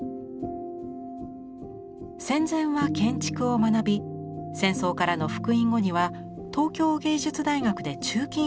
戦前は建築を学び戦争からの復員後には東京藝術大学で鋳金を学びます。